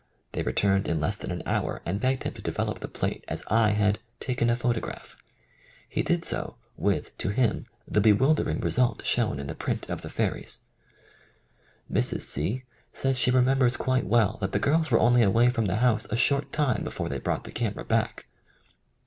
They returned in less than an hour and begged him to develop the plate as I. had *' taken a photograph." He did so, with, to him, the bewildering result shown in the print of the fairies I Mrs. C. says she remembers quite well that the girls were only away from the house a short time before they brought the camera back.